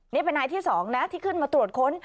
นี่เป็นนายที่๒นะที่ขึ้นมาตรวจค้น